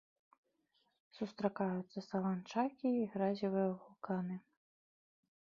Сустракаюцца саланчакі і гразевыя вулканы.